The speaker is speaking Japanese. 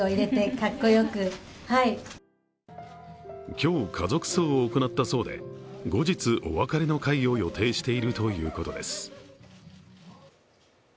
今日、家族葬を行ったそうで後日、お別れの会を予定しているということです。